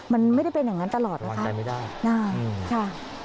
มันไม่ได้เป็นอย่างนั้นตลอดนะคะ